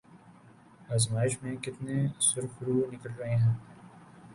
آزمائش میں کتنے سرخرو نکل رہے ہیں۔